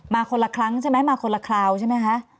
คนละครั้งใช่ไหมมาคนละคราวใช่ไหมคะ